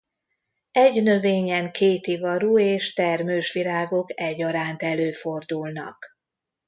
Egy növényen kétivarú és termős virágok egyaránt előfordulnak.